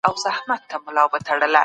مذهب په هر ځای کي حضور درلود.